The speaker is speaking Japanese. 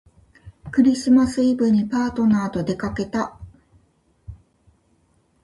クリスマスイブにパートナーとでかけた